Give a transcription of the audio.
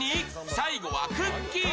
最後は、くっきー！